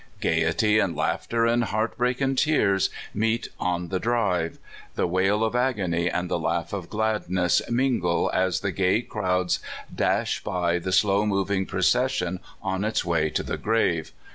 Gayety, and laughter, and heart break, and tears, meet on the drive; the wail of agony and the laugh of gladness mingle as the gay crowds dash by the slow moving procession on its way to the grave.